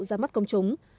ra mắt công chúng